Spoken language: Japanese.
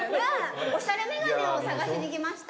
おしゃれ眼鏡を探しに来ました。